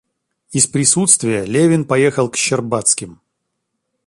Из присутствия Левин поехал к Щербацким.